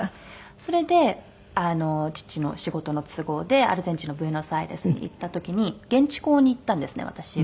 それで父の仕事の都合でアルゼンチンのブエノスアイレスに行った時に現地校に行ったんですね私。